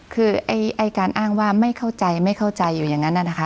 คือไอ้การอ้างว่าไม่เข้าใจไม่เข้าใจอยู่อย่างนั้นนะคะ